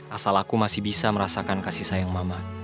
asal aku masih bisa merasakan kasih sayang mama